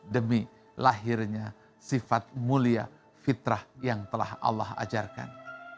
demi lahirnya sifat mulia fitrah yang telah allah ajarkan